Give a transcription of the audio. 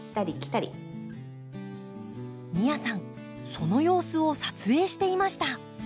その様子を撮影していました。